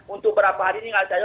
untuk berapa hari ini